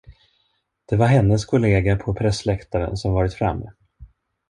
Det var hennes kollega på pressläktaren som varit framme.